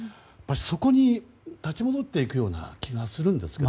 そこに、立ち戻っていくような気がするんですよね。